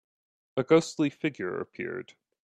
A ghostly figure appeared.